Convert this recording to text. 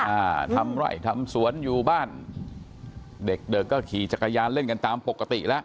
อ่าทำไร่ทำสวนอยู่บ้านเด็กเด็กก็ขี่จักรยานเล่นกันตามปกติแล้ว